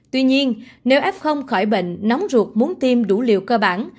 tuy nhiên nếu f khỏi bệnh nóng ruột muốn tiêm đủ liều cơ bản